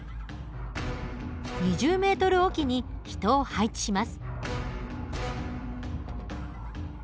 ２０ｍ置きに人を配置します。